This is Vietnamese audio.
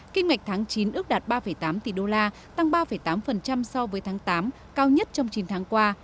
kinh ngạch tháng chín ước đạt ba tám tỷ đô la tăng ba tám so với tháng tám cao nhất trong chín tháng qua